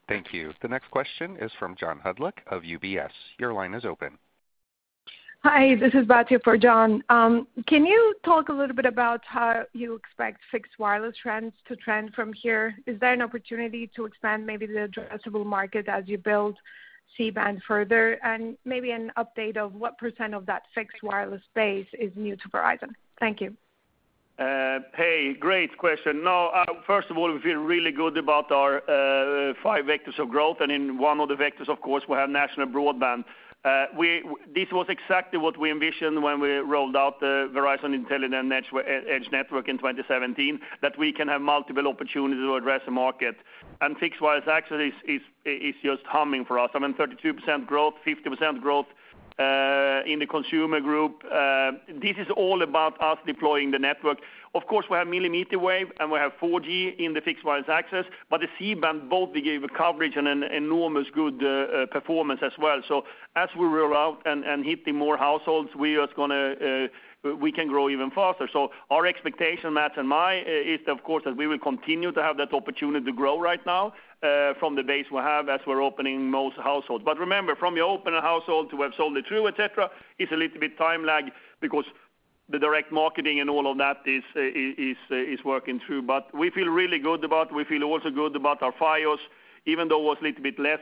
S1: Thank you. The next question is from John Hodulik of UBS. Your line is open.
S9: Hi, this is Batya for Jon. Can you talk a little bit about how you expect fixed wireless trends to trend from here? Is there an opportunity to expand maybe the addressable market as you build C-band further? Maybe an update of what % of that fixed wireless base is new to Verizon. Thank you.
S3: Hey, great question. No, first of all, we feel really good about our five vectors of growth. In one of the vectors, of course, we have national broadband. This was exactly what we envisioned when we rolled out the Verizon Intelligent Edge Network in 2017, that we can have multiple opportunities to address the market. Fixed wireless actually is just humming for us. I mean, 32% growth, 50% growth in the consumer group. This is all about us deploying the network. Of course, we have millimeter wave, and we have 4G in the fixed wireless access, but the C-band both gave a coverage and an enormous good performance as well. As we roll out and hit the more households, we can grow even faster. Our expectation, Matthew and I, is of course that we will continue to have that opportunity to grow right now from the base we have as we're opening most households. Remember, from the open household to we have sold it through, et cetera, is a little bit time lag because the direct marketing and all of that is working through. We feel really good about. We feel also good about our Fios, even though it was a little bit less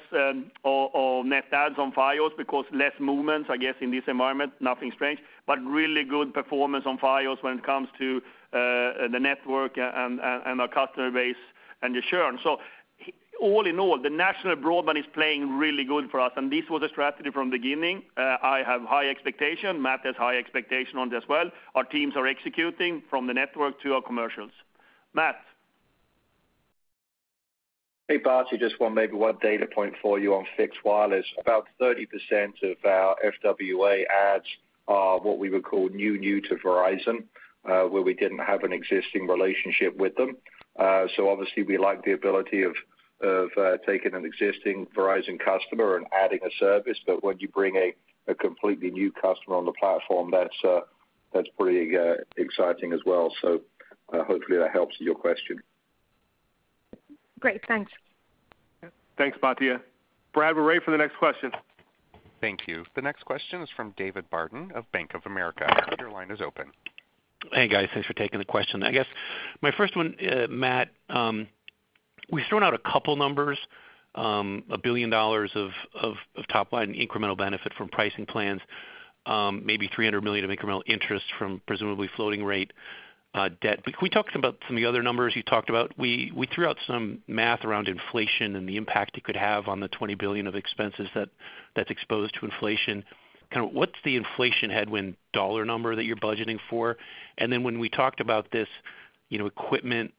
S3: of net adds on Fios because less movements, I guess, in this environment, nothing strange, but really good performance on Fios when it comes to the network and our customer base and the churn. All in all, the national broadband is playing really good for us, and this was a strategy from beginning. I have high expectation. Matthewhew has high expectation on it as well. Our teams are executing from the network to our commercials. Matthew?
S4: Hey, Hans, just one, maybe one data point for you on fixed wireless. About 30% of our FWA adds are what we would call new to Verizon, where we didn't have an existing relationship with them. Obviously we like the ability of taking an existing Verizon customer and adding a service. When you bring a completely new customer on the platform, that's pretty exciting as well. Hopefully that helps your question.
S10: Great. Thanks.
S2: Thanks, Batya. Operator, for the next question.
S1: Thank you. The next question is from David Barden of Bank of America. Your line is open.
S11: Hey, guys. Thanks for taking the question. I guess my first one, Matthew, we've thrown out a couple numbers, $1 billion of top line incremental benefit from pricing plans, maybe $300 million of incremental interest from presumably floating rate debt. Can we talk about some of the other numbers you talked about? We threw out some math around inflation and the impact it could have on the $20 billion of expenses that's exposed to inflation. Kind of what's the inflation headwind dollar number that you're budgeting for? Then when we talked about this, you know, equipment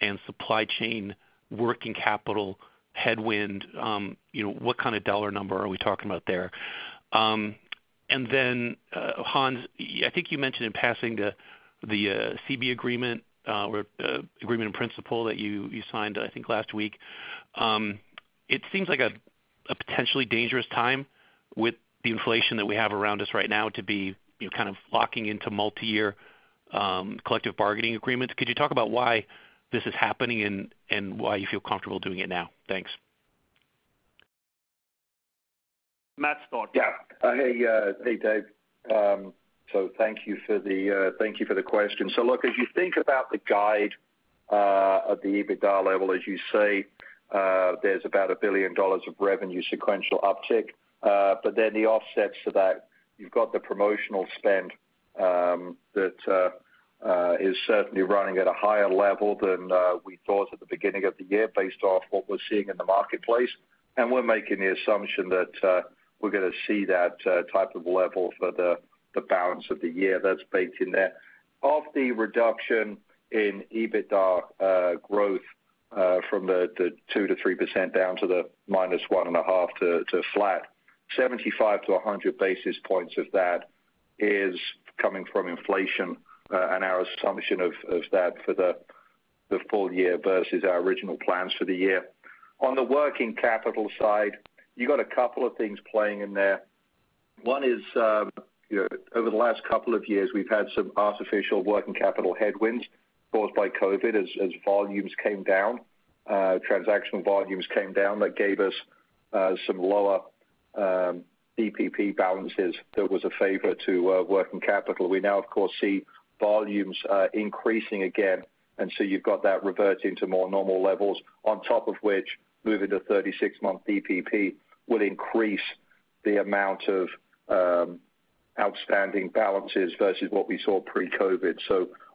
S11: and supply chain working capital headwind, you know, what kind of dollar number are we talking about there? Hans, I think you mentioned in passing the CBA agreement or agreement in principle that you signed, I think, last week. It seems like a potentially dangerous time with the inflation that we have around us right now to be, you know, kind of locking into multi-year collective bargaining agreements. Could you talk about why this is happening and why you feel comfortable doing it now? Thanks.
S3: Matthew, start.
S4: Yeah. Hey, hey, Dave. Thank you for the question. Look, as you think about the guide at the EBITDA level, as you say, there's about $1 billion of revenue sequential uptick. Then the offsets to that, you've got the promotional spend that is certainly running at a higher level than we thought at the beginning of the year based off what we're seeing in the marketplace. We're making the assumption that we're gonna see that type of level for the balance of the year that's baked in there. Of the reduction in EBITDA growth from the 2%-3% down to the -1.5% to flat, 75-100 basis points of that is coming from inflation and our assumption of that for the full year versus our original plans for the year. On the working capital side, you got a couple of things playing in there. One is, you know, over the last couple of years, we've had some artificial working capital headwinds caused by COVID as volumes came down, transactional volumes came down. That gave us some lower DPP balances that was a favor to working capital. We now of course see volumes increasing again, and so you've got that reverting to more normal levels, on top of which moving to 36-month DPP would increase the amount of outstanding balances versus what we saw pre-COVID.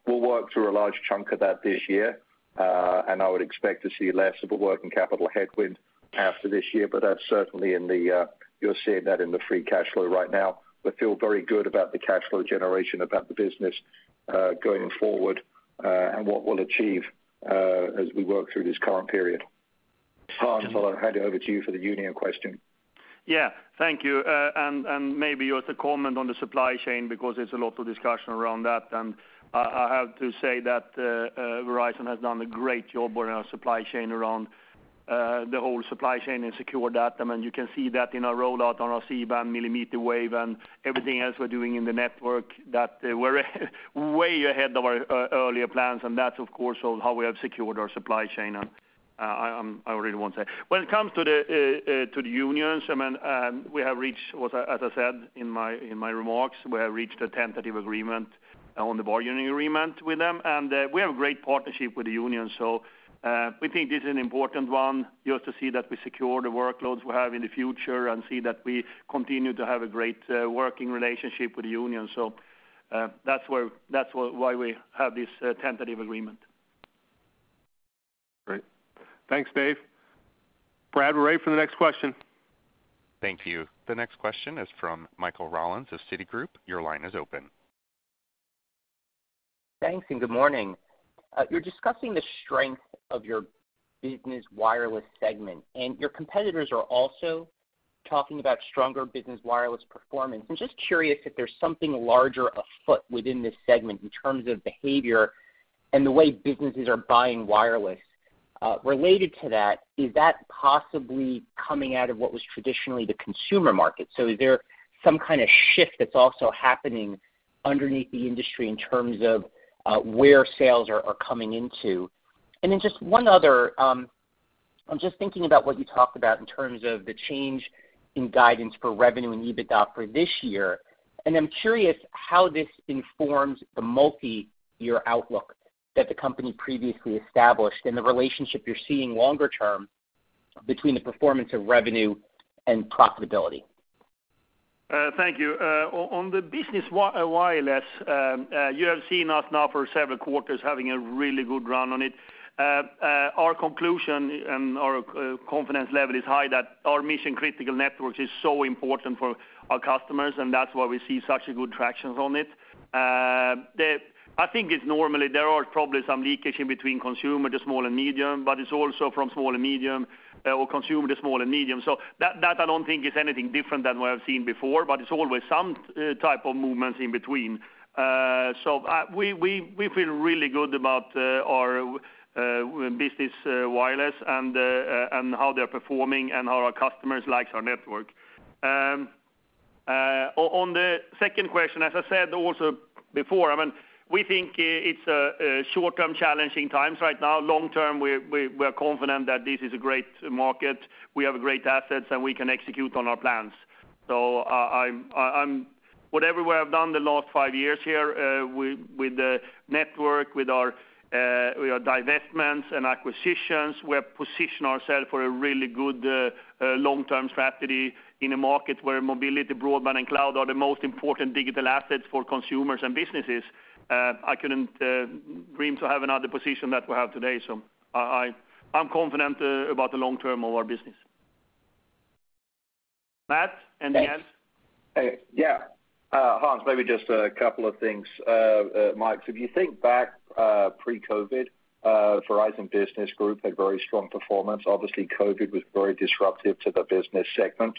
S4: We'll work through a large chunk of that this year, and I would expect to see less of a working capital headwind after this year, but that's certainly in there. You're seeing that in the free cash flow right now. We feel very good about the cash flow generation, about the business going forward, and what we'll achieve as we work through this current period. Hans, I'll hand it over to you for the union question.
S3: Yeah. Thank you. Maybe just a comment on the supply chain, because there's a lot of discussion around that. I have to say that Verizon has done a great job on our supply chain around the whole supply chain and secure that. I mean, you can see that in our rollout on our C-band millimeter wave and everything else we're doing in the network that we're way ahead of our earlier plans. That's of course how we have secured our supply chain. I really want to say. When it comes to the unions, I mean, we have reached, as I said in my remarks, we have reached a tentative agreement on the bargaining agreement with them. We have a great partnership with the union. We think this is an important one just to see that we secure the workloads we have in the future and see that we continue to have a great working relationship with the union. That's why we have this tentative agreement.
S2: Great. Thanks, David. Brady, we're ready for the next question.
S1: Thank you. The next question is from Michael Rollins of Citigroup. Your line is open.
S12: Thanks, good morning. You're discussing the strength of your business wireless segment, and your competitors are also talking about stronger business wireless performance. I'm just curious if there's something larger afoot within this segment in terms of behavior and the way businesses are buying wireless. Related to that, is that possibly coming out of what was traditionally the consumer market? Is there some kind of shift that's also happening underneath the industry in terms of where sales are coming into? Just one other, I'm just thinking about what you talked about in terms of the change in guidance for revenue and EBITDA for this year, and I'm curious how this informs the multi-year outlook that the company previously established and the relationship you're seeing longer term between the performance of revenue and profitability.
S3: Thank you. On the wireless business, you have seen us now for several quarters having a really good run on it. Our conclusion and our confidence level is high that our mission-critical networks is so important for our customers, and that's why we see such a good traction on it. I think it's normally there are probably some leakage in between consumer to small and medium, but it's also from small and medium or consumer to small and medium. That I don't think is anything different than what I've seen before, but it's always some type of movements in between. We feel really good about our wireless business and how they're performing and how our customers likes our network. On the second question, as I said also before, I mean, we think it's short-term challenging times right now. Long-term, we're confident that this is a great market, we have great assets, and we can execute on our plans. Whatever we have done the last five years here with the network, with our divestments and acquisitions, we have positioned ourselves for a really good long-term strategy in a market where mobility, broadband, and cloud are the most important digital assets for consumers and businesses. I couldn't dream to have another position that we have today, so I'm confident about the long-term of our business. Matthew, any add?
S2: Thanks.
S4: Yeah. Hans, maybe just a couple of things. Mike, if you think back, pre-COVID, Verizon Business Group had very strong performance. Obviously, COVID was very disruptive to the business segment.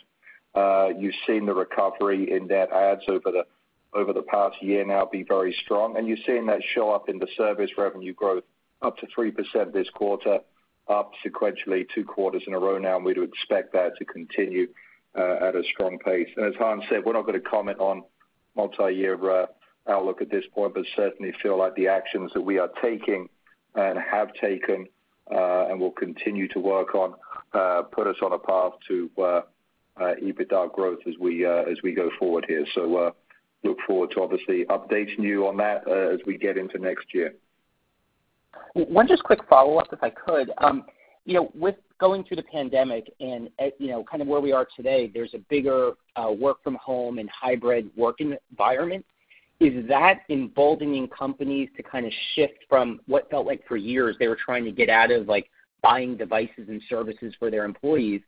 S4: You've seen the recovery in net adds over the past year now be very strong, and you've seen that show up in the service revenue growth up to 3% this quarter, up sequentially two quarters in a row now, and we'd expect that to continue at a strong pace. As Hans said, we're not gonna comment on multi-year outlook at this point, but certainly feel like the actions that we are taking and have taken and will continue to work on put us on a path to EBITDA growth as we go forward here. Look forward to obviously updating you on that, as we get into next year.
S12: One just quick follow-up, if I could. You know, with going through the pandemic and, you know, kind of where we are today, there's a bigger work from home and hybrid working environment. Is that emboldening companies to kinda shift from what felt like for years they were trying to get out of, like, buying devices and services for their employees?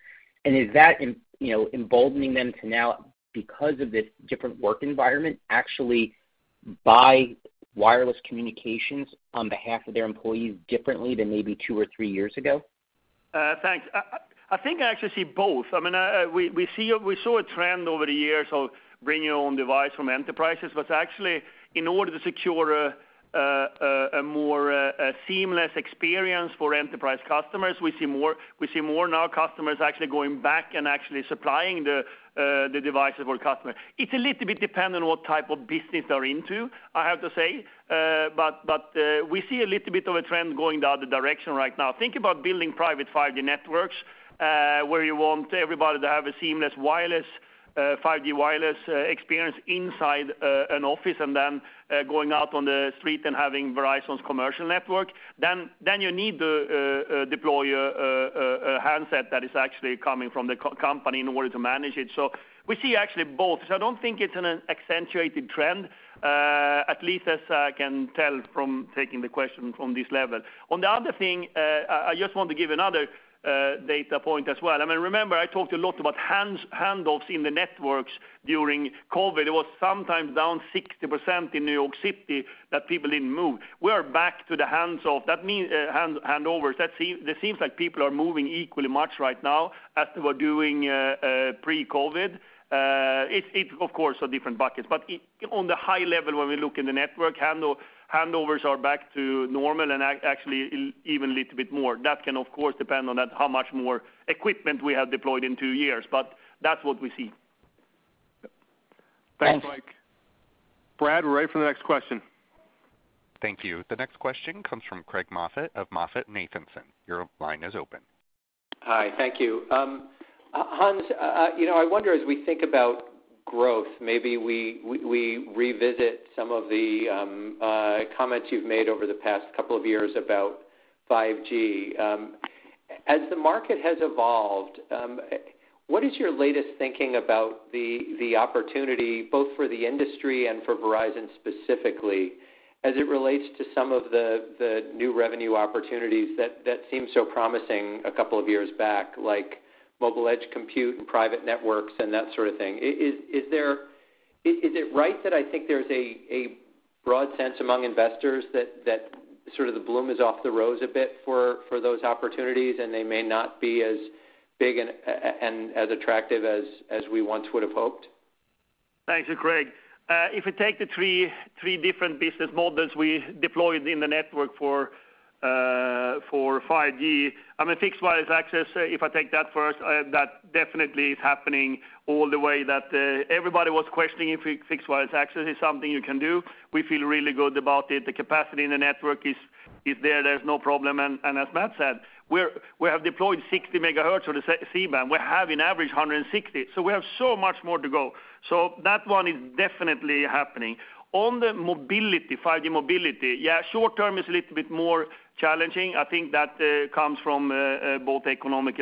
S12: Is that you know, emboldening them to now, because of this different work environment, actually buy wireless communications on behalf of their employees differently than maybe two or three years ago?
S3: Thanks. I think I actually see both. I mean, we saw a trend over the years of bring your own device from enterprises, but actually in order to secure a more seamless experience for enterprise customers, we see more now customers actually going back and actually supplying the devices for customer. It depends a little bit on what type of business they're into, I have to say. We see a little bit of a trend going the other direction right now. Think about building private 5G networks, where you want everybody to have a seamless wireless 5G wireless experience inside an office and then going out on the street and having Verizon's commercial network. You need to deploy a handset that is actually coming from the company in order to manage it. We see actually both. I don't think it's an accelerating trend, at least as I can tell from taking the question from this level. On the other thing, I just want to give another data point as well. I mean, remember, I talked a lot about handoffs in the networks during COVID. It was sometimes down 60% in New York City that people didn't move. We are back to the handoffs. That means handovers. It seems like people are moving equally much right now as they were doing pre-COVID. It is, of course, our different buckets, but on the high level, when we look in the network, handovers are back to normal and actually even a little bit more. That can of course depend on how much more equipment we have deployed in two years, but that's what we see.
S12: Thanks.
S2: Thanks, Mike. Brady we're ready for the next question.
S1: Thank you. The next question comes from Craig Moffett of MoffettNathanson. Your line is open.
S13: Hi, thank you. Hans, you know, I wonder, as we think about growth, maybe we revisit some of the comments you've made over the past couple of years about 5G. As the market has evolved, what is your latest thinking about the opportunity both for the industry and for Verizon specifically as it relates to some of the new revenue opportunities that seemed so promising a couple of years back, like mobile edge compute and private networks and that sort of thing. Is it right that I think there's a broad sense among investors that sort of the bloom is off the rose a bit for those opportunities, and they may not be as big and as attractive as we once would have hoped?
S3: Thanks, Craig. If we take the three different business models we deployed in the network for 5G, I mean, fixed wireless access, if I take that first, that definitely is happening all the way that everybody was questioning if fixed wireless access is something you can do. We feel really good about it. The capacity in the network is there. There's no problem. As Matthew said, we have deployed 60 MHz on the C-band. We have an average 160. We have so much more to go. That one is definitely happening. On the mobility, 5G mobility, yeah, short term is a little bit more challenging. I think that comes from both economic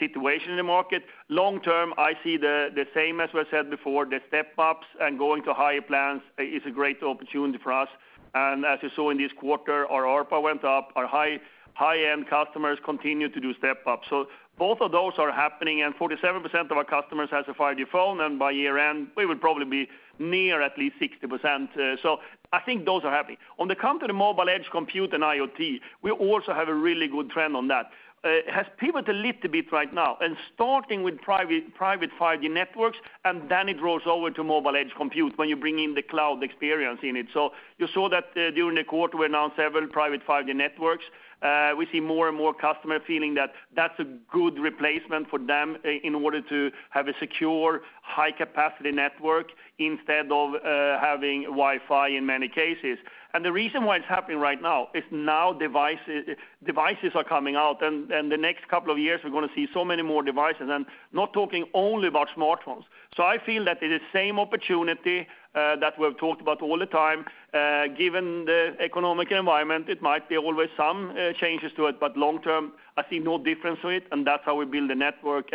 S3: situation in the market. Long term, I see the same as we said before, the step-ups and going to higher plans is a great opportunity for us. As you saw in this quarter, our ARPA went up, our high-end customers continued to do step up. Both of those are happening, and 47% of our customers has a 5G phone, and by year-end, we would probably be near at least 60%. I think those are happening. On the company mobile edge compute and IoT, we also have a really good trend on that. It has pivoted a little bit right now and starting with private 5G networks, and then it rolls over to mobile edge compute when you bring in the cloud experience in it. You saw that during the quarter, we announced several private 5G networks. We see more and more customers feeling that that's a good replacement for them in order to have a secure high-capacity network instead of having Wi-Fi in many cases. The reason why it's happening right now is devices are coming out, and the next couple of years, we're gonna see so many more devices, and not talking only about smartphones. I feel that it is the same opportunity that we've talked about all the time. Given the economic environment, it might always be some changes to it, but long term, I see no difference to it, and that's how we build the network.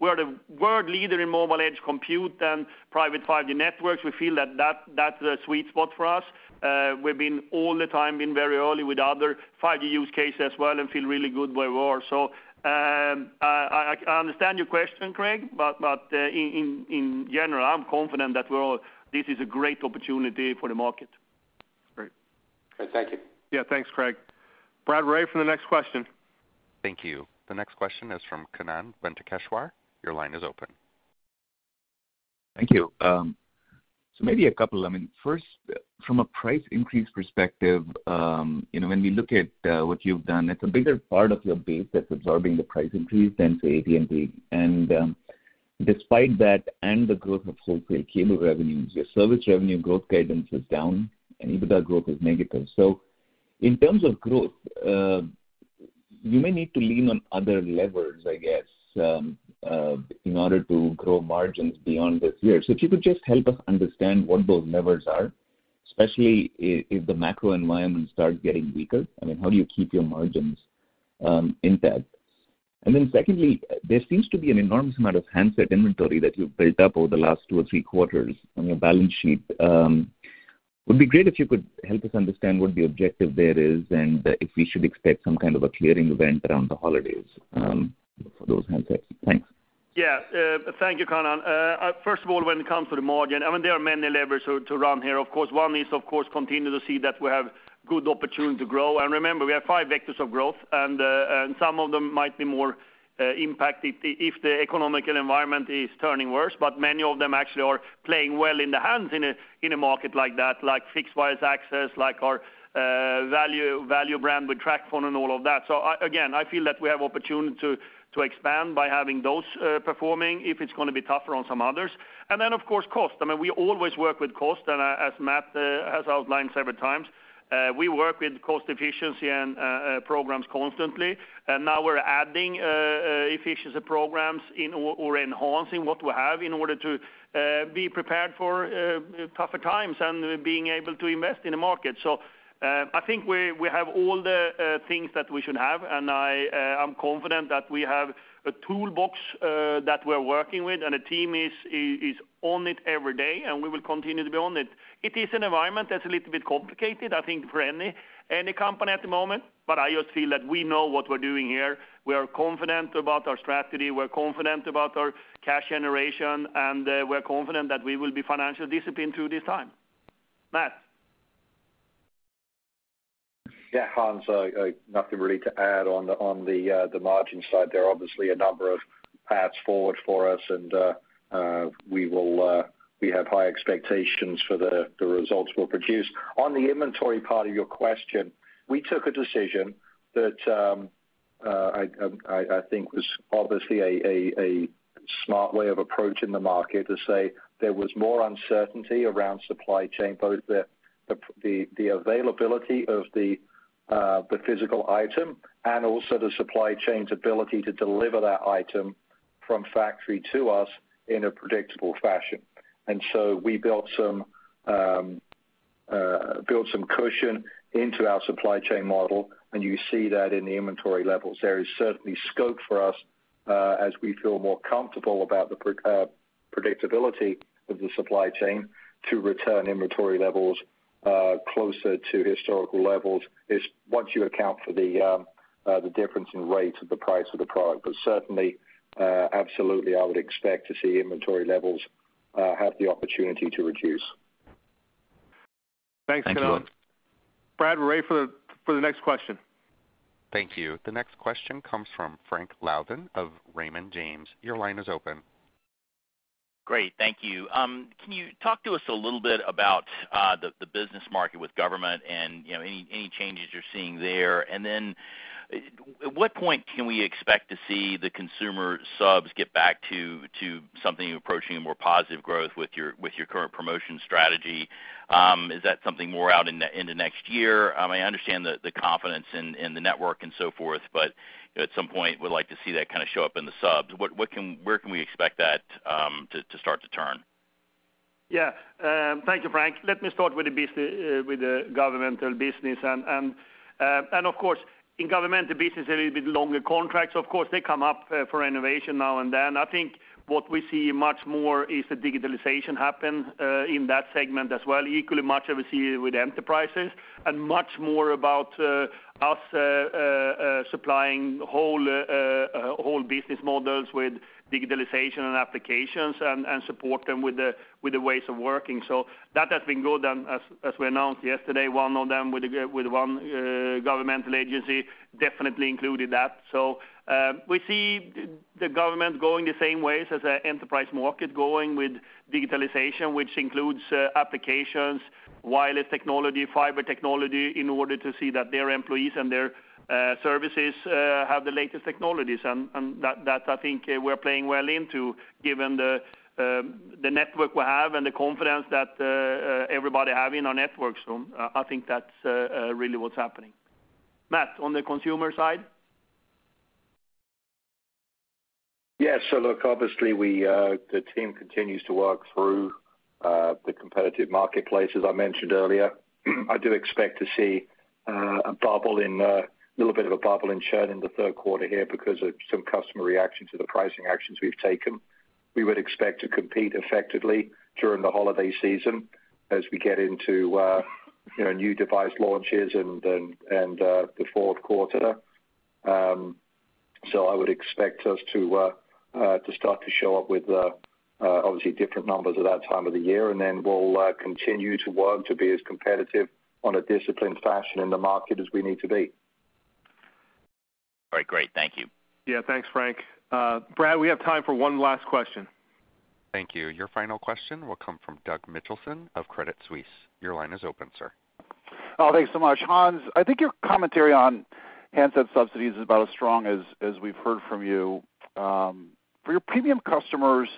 S3: We're the world leader in mobile edge computing and private 5G networks. We feel that that's a sweet spot for us. We've been all the time very early with other 5G use cases as well and feel really good where we are. I understand your question, Craig, but in general, I'm confident that this is a great opportunity for the market.
S13: Great. Okay. Thank you.
S4: Yeah. Thanks, Craig. Brady ready for the next question.
S1: Thank you. The next question is from Kannan Venkateshwar. Your line is open.
S14: Thank you. Maybe a couple. I mean, first, from a price increase perspective, you know, when we look at what you've done, it's a bigger part of your base that's absorbing the price increase than say AT&T. Despite that and the growth of wholesale cable revenues, your service revenue growth guidance is down, and EBITDA growth is negative. In terms of growth, you may need to lean on other levers, I guess, in order to grow margins beyond this year. If you could just help us understand what those levers are, especially if the macro environment starts getting weaker. I mean, how do you keep your margins intact? Then secondly, there seems to be an enormous amount of handset inventory that you've built up over the last two or three quarters on your balance sheet. Would be great if you could help us understand what the objective there is and if we should expect some kind of a clearing event around the holidays for those handsets. Thanks.
S3: Yeah. Thank you, Kannan. First of all, when it comes to the margin, I mean, there are many levers to run here. Of course, one is, of course, continue to see that we have good opportunity to grow. Remember, we have five vectors of growth, and some of them might be more impacted if the economic environment is turning worse. But many of them actually are playing well in the hands in a market like that, like fixed wireless access, like our value brand with TracFone and all of that. Again, I feel that we have opportunity to expand by having those performing if it's gonna be tougher on some others. Then, of course, cost. I mean, we always work with cost. As Matthew has outlined several times, we work with cost efficiency and programs constantly. Now we're adding efficiency programs in or enhancing what we have in order to be prepared for tougher times and being able to invest in the market. I think we have all the things that we should have, and I'm confident that we have a toolbox that we're working with, and the team is on it every day, and we will continue to be on it. It is an environment that's a little bit complicated, I think for any company at the moment. I just feel that we know what we're doing here. We are confident about our strategy. We're confident about our cash generation, and we're confident that we will be financially disciplined through this time. Matthew?
S4: Yeah. Hans, nothing really to add on the margin side. There are obviously a number of paths forward for us, and we have high expectations for the results we'll produce. On the inventory part of your question, we took a decision that I think was obviously a smart way of approaching the market to say there was more uncertainty around supply chain, both the availability of the physical item and also the supply chain's ability to deliver that item from factory to us in a predictable fashion. We built some cushion into our supply chain model, and you see that in the inventory levels. There is certainly scope for us, as we feel more comfortable about the predictability of the supply chain to return inventory levels closer to historical levels. It's once you account for the difference in rate or the price of the product. Certainly, absolutely, I would expect to see inventory levels have the opportunity to reduce.
S3: Thanks, Hans.
S4: Thank you.
S3: Brady we're ready for the next question.
S1: Thank you. The next question comes from Frank Louthan of Raymond James. Your line is open.
S15: Great. Thank you. Can you talk to us a little bit about the business market with government and you know any changes you're seeing there? And then at what point can we expect to see the consumer subs get back to something approaching a more positive growth with your current promotion strategy? Is that something more out in the next year? I mean, I understand the confidence in the network and so forth, but at some point, we'd like to see that kind of show up in the subs. Where can we expect that to start to turn?
S3: Yeah. Thank you, Frank. Let me start with the governmental business and of course, in governmental business, a little bit longer contracts. Of course, they come up for innovation now and then. I think what we see much more is the digitalization happen in that segment as well. Equally much we see with enterprises and much more about us supplying whole business models with digitalization and applications and support them with the ways of working. So that has been good. As we announced yesterday, one of them with one governmental agency definitely included that. We see the government going the same way as the enterprise market going with digitalization, which includes applications, wireless technology, fiber technology, in order to see that their employees and their services have the latest technologies. I think that we're playing well into given the network we have and the confidence that everybody have in our network. I think that's really what's happening. Matthew, on the consumer side?
S4: Yes. Look, obviously, we, the team continues to work through the competitive marketplace. As I mentioned earlier, I do expect to see a bubble in, a little bit of a bubble in churn in the third quarter here because of some customer reaction to the pricing actions we've taken. We would expect to compete effectively during the holiday season as we get into, you know, new device launches and the fourth quarter. I would expect us to start to show up with, obviously different numbers at that time of the year, and then we'll continue to work to be as competitive in a disciplined fashion in the market as we need to be.
S15: All right. Great. Thank you.
S3: Yeah. Thanks, Frank. Brady, we have time for one last question.
S1: Thank you. Your final question will come from Douglas Mitchelson of Credit Suisse. Your line is open, sir.
S16: Thanks so much. Hans, I think your commentary on handset subsidies is about as strong as we've heard from you. For your premium customers,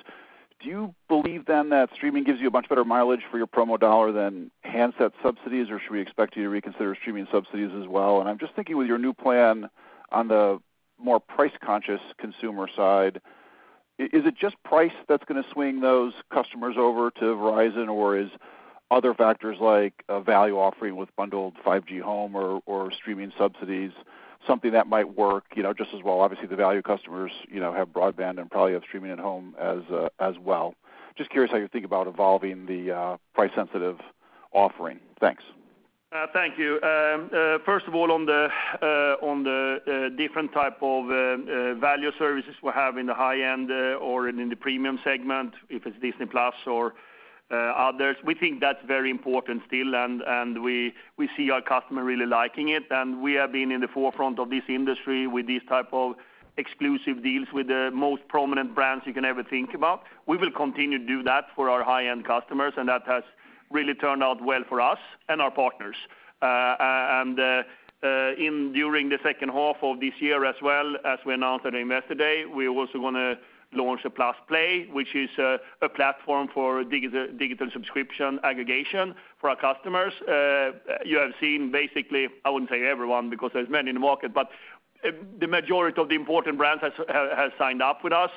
S16: do you believe then that streaming gives you a much better mileage for your promo dollar than handset subsidies, or should we expect you to reconsider streaming subsidies as well? I'm just thinking with your new plan on the more price-conscious consumer side, is it just price that's gonna swing those customers over to Verizon or is other factors like a value offering with bundled 5G home or streaming subsidies, something that might work, you know, just as well? Obviously, the value customers, you know, have broadband and probably have streaming at home as well. Just curious how you think about evolving the price sensitive offering. Thanks.
S3: Thank you. First of all, on the different type of value services we have in the high-end or in the premium segment, if it's Disney+ or others, we think that's very important still. We see our customer really liking it. We have been in the forefront of this industry with these type of exclusive deals with the most prominent brands you can ever think about. We will continue to do that for our high-end customers, and that has really turned out well for us and our partners. During the second half of this year as well, as we announced at Investor Day, we also wanna launch +play, which is a platform for digital subscription aggregation for our customers. You have seen basically, I wouldn't say everyone because there's many in the market, but the majority of the important brands has signed up with us.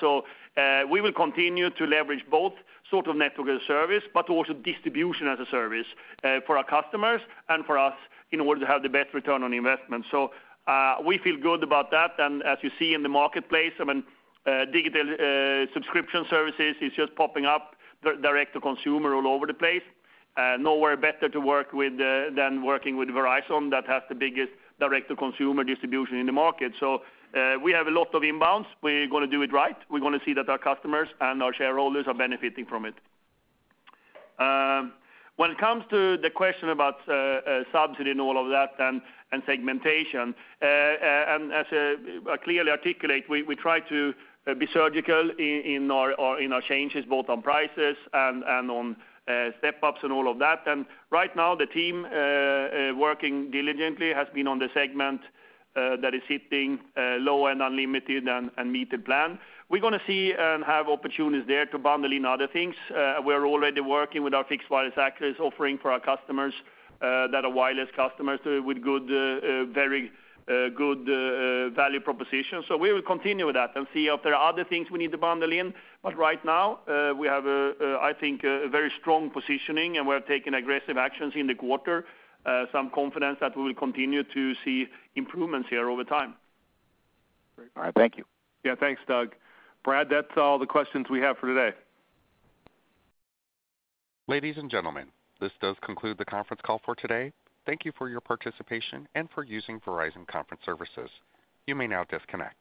S3: We will continue to leverage both sort of network as a service, but also distribution as a service, for our customers and for us in order to have the best return on investment. We feel good about that. As you see in the marketplace, I mean, digital subscription services is just popping up direct to consumer all over the place. Nowhere better to work with than working with Verizon that has the biggest direct to consumer distribution in the market. We have a lot of inbounds. We're gonna do it right. We're gonna see that our customers and our shareholders are benefiting from it. When it comes to the question about subsidy and all of that and segmentation, and as we clearly articulated, we try to be surgical in our changes, both on prices and on step-ups and all of that. Right now, the team working diligently has been on the segment that is hitting low-end unlimited and metered plan. We're gonna see and have opportunities there to bundle in other things. We're already working with our fixed wireless access offering for our customers that are wireless customers with a very good value proposition. We will continue with that and see if there are other things we need to bundle in. Right now, we have a, I think a very strong positioning, and we're taking aggressive actions in the quarter. Some confidence that we will continue to see improvements here over time.
S17: All right. Thank you.
S3: Yeah. Thanks, Douglas. Brady, that's all the questions we have for today.
S1: Ladies and gentlemen, this does conclude the conference call for today. Thank you for your participation and for using Verizon Conference Services. You may now disconnect.